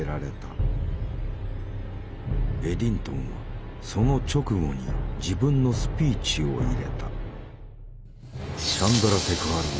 エディントンはその直後に自分のスピーチを入れた。